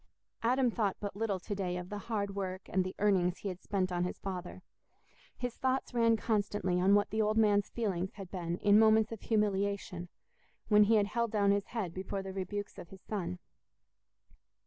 Adam thought but little to day of the hard work and the earnings he had spent on his father: his thoughts ran constantly on what the old man's feelings had been in moments of humiliation, when he had held down his head before the rebukes of his son.